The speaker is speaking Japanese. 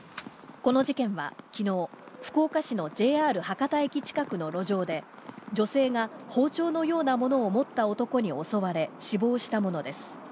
この事件は昨日、福岡市のＪＲ博多駅近くの路上で女性が包丁のようなものを持った男に襲われ死亡したものです。